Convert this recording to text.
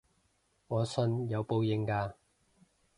我信有報應嘅